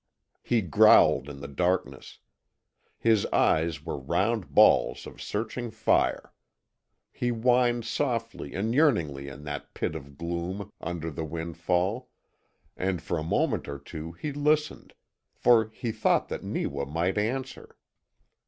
He growled in the darkness. His eyes were round balls of searching fire. He whined softly and yearningly in that pit of gloom under the windfall, and for a moment or two he listened, for he thought that Neewa might answer.